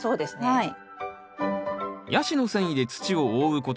はい。